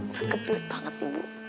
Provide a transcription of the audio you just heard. pergebel banget ibu